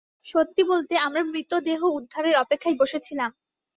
সত্যি বলতে, আমরা, মৃতদেহ উদ্ধারের অপেক্ষায় বসেছিলাম।